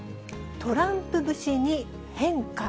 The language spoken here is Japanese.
トランプ節に変化。